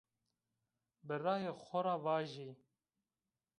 Birayê xo ra vajî